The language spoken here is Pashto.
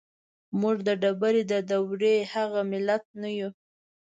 موږ د ډبرې د دورې هغه ملت نه يو.